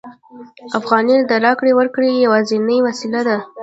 افغانۍ د راکړې ورکړې یوازینۍ وسیله ده